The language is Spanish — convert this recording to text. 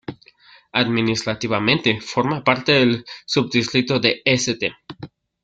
Administrativamente forma parte del subdistrito de St.